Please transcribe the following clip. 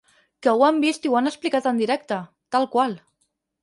Que ho han vist i ho han explicat en directe, tal qual.